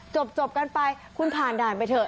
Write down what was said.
จบกันไปคุณผ่านด่านไปเถอ